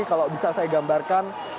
kalau bisa saya gambarkan